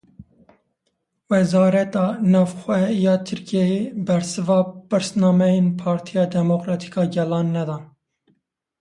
Wezareta Navxwe ya Tirkiyeyê bersiva pirsnameyên Partiya Demokratîk a Gelanê nedan.